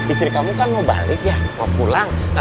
istri kamu kan mau balik ya mau pulang